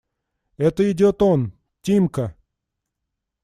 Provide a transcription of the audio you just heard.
Это идет он… Тимка!